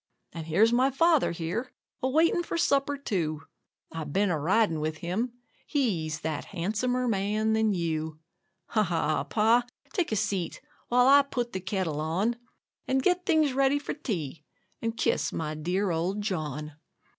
And here's my father here, a waiting for supper, too; I've been a riding with him he's that "handsomer man than you." Ha! ha! Pa, take a seat, while I put the kettle on, And get things ready for tea, and kiss my dear old John.